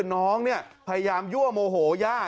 น้องเนี่ยพยายามยั่วโมโหย่า